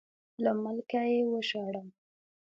له ملکه یې وشړم.